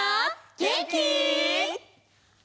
げんき？